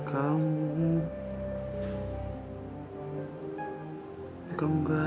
kamu sudah fokus ya